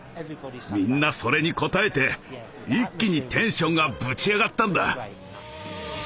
みんなそれに応えて一気にテンションがブチ上がったんだ！